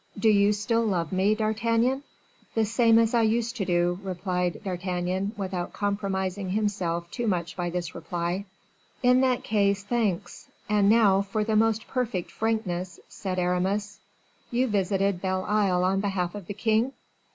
Do you still love me, D'Artagnan?" "The same as I used to do," replied D'Artagnan, without compromising himself too much by this reply. "In that case, thanks; and now, for the most perfect frankness," said Aramis; "you visited Belle Isle on behalf of the king?"